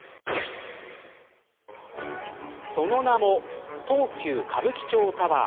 その名も東急歌舞伎町タワー。